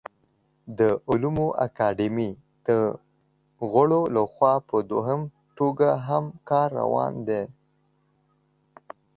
د علومو اکاډمۍ د غړو له خوا په دویم ټوک هم کار روان دی